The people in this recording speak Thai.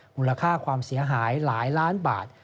มูลค่าความเสียหายหลายล้านบาท